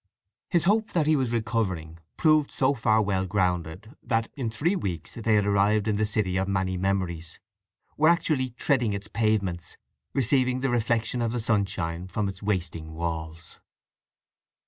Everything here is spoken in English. His hope that he was recovering proved so far well grounded that in three weeks they had arrived in the city of many memories; were actually treading its pavements, receiving the reflection of the sunshine from its wasting walls.